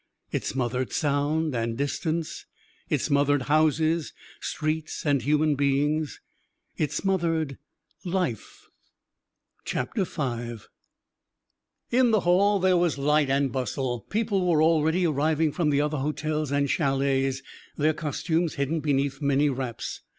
It smothered sound and distance. It smothered houses, streets, and human beings. It smothered life. V In the hall there was light and bustle; people were already arriving from the other hotels and chalets, their costumes hidden beneath many wraps.